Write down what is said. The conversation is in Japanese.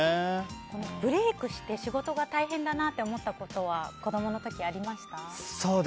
ブレークして仕事が大変だなと思ったことは子供の時、ありました？